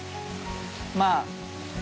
まあ。